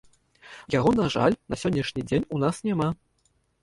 Яго, на жаль, на сённяшні дзень у нас няма.